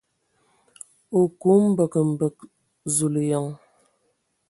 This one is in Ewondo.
O ku mbǝg mbǝg ! Zulǝyan.